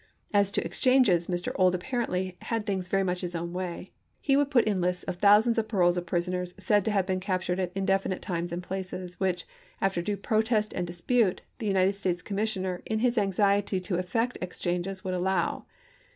As to exchanges, Mr. Ould apparently had things very much his own way; he would put in lists of thousands of paroles of prisoners said to have been captured at indefinite times and places, which, after due protest and dispute, the United States Commissioner, in his anxiety to effect ex changes, would allow.